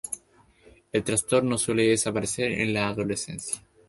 El trastorno suele desaparecer en la adolescencia.